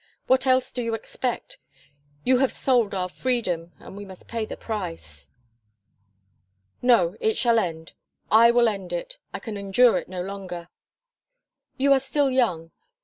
"What else do you expect? You have sold our freedom, and we must pay the price." "No; it shall end. I will end it. I can endure it no longer." "You are still young.